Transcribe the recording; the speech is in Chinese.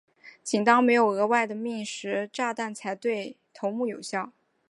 仅当没有额外的命时炸弹才对于头目有效。